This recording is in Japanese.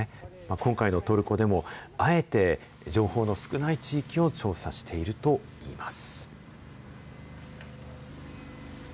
今回のトルコでも、あえて情報の少ない地域を調査しているといいます。